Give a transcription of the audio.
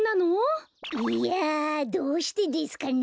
いやどうしてですかね？